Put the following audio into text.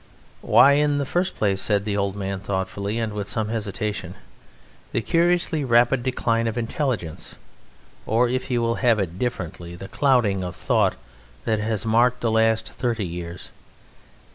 "Why, in the first place," said the old man thoughtfully and with some hesitation, "the curiously rapid decline of intelligence, or if you will have it differently, the clouding of thought that has marked the last thirty years.